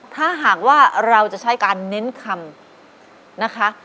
ถ้าหากว่าเราจะใช้การเน้นคำนะคะ